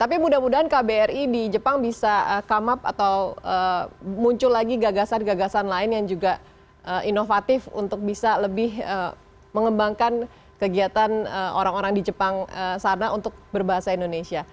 tapi mudah mudahan kbri di jepang bisa come up atau muncul lagi gagasan gagasan lain yang juga inovatif untuk bisa lebih mengembangkan kegiatan orang orang di jepang sana untuk berbahasa indonesia